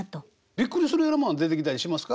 びっくりするようなもんは出てきたりしますか？